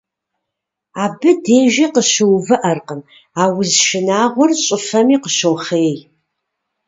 Абы дежи къыщыувыӀэркъым, а уз шынагъуэр щӀыфэми къыщохъей.